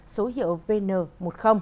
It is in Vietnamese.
số hiệu vnh